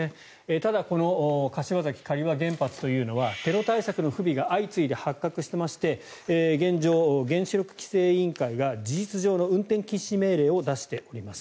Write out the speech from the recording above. ただこの柏崎刈羽原発というのはテロ対策の不備が相次いで発覚していまして現状、原子力規制委員会が事実上の運転禁止命令を出しております。